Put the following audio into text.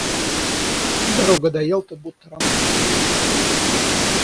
Дорога до Ялты будто роман: все время надо крутить.